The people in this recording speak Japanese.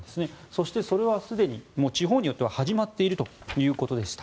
そして、それはすでに地方では始まっているということでした。